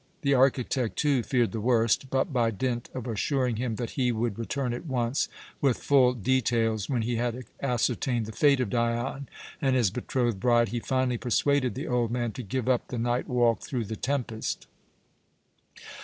The architect, too, feared the worst, but by dint of assuring him that he would return at once with full details when he had ascertained the fate of Dion and his betrothed bride, he finally persuaded the old man to give up the night walk through the tempest.